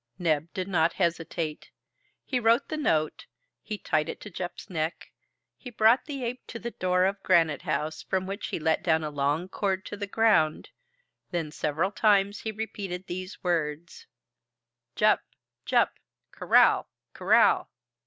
Neb did not hesitate. He wrote the note, he tied it to Jup's neck, he brought the ape to the door of Granite House, from which he let down a long cord to the ground; then, several times he repeated these words, "Jup Jup! corral, corral!"